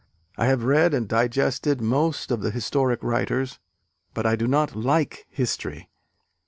I have read and digested most of the historic writers, but I do not like history.